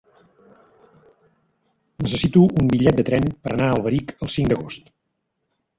Necessito un bitllet de tren per anar a Alberic el cinc d'agost.